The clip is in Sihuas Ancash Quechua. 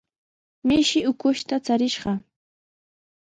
Mishi ukushta charishqa.